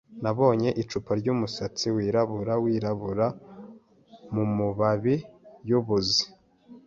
Nabonye icupa ryumusatsi wirabura wirabura mumababi yubuvuzi.